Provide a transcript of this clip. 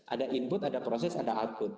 ada input ada proses ada output